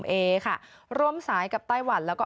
ตรงผมเอค่ะรวมทุกษ์สายกับไต้หวันแล้วก็